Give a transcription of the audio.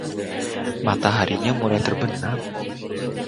Mataharinya mulai terbenam.